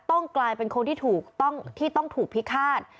ต้องกลายเป็นคนที่ต้องถูกพิคาต